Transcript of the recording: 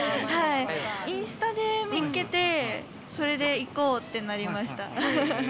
インスタで見つけて行こうってなりました。